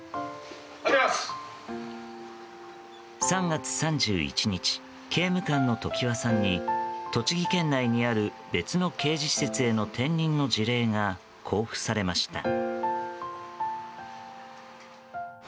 ３月３１日刑務官の常盤さんに栃木県内にある別の刑事施設への転任の辞令が交付されました。